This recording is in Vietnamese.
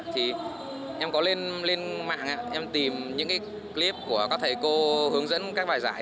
thì em có lên mạng em tìm những clip của các thầy cô hướng dẫn các bài giải